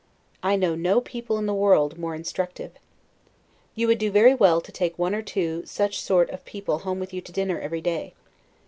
I know no people in the world more instructive. You would do very well to take one or two such sort of people home with you to dinner every day.